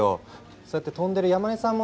そうやって飛んでる山根さんもね